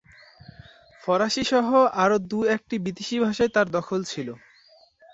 ফরাসিসহ আরও দু-একটি বিদেশি ভাষায় তাঁর দখল ছিল।